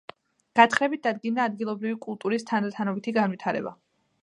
გათხრებით დადგინდა ადგილობრივი კულტურის თანდათანობითი განვითარება.